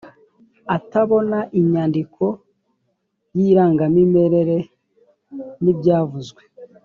atabona inyandiko y irangamimerere n ibyavuzwe